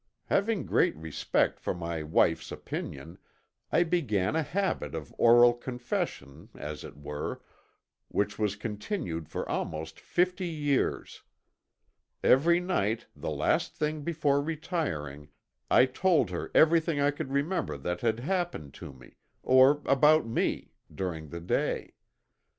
Having great respect for my wife's opinion, I began a habit of oral confession, as it were, which was continued for almost fifty years. Every night, the last thing before retiring, I told her everything I could remember that had happened to me, or about me, during the day.